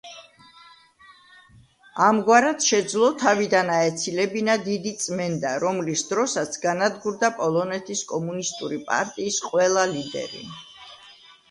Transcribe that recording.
ამგვარად შეძლო თავიდან აეცილებინა დიდი წმენდა, რომლის დროსაც განადგურდა პოლონეთის კომუნისტური პარტიის ყველა ლიდერი.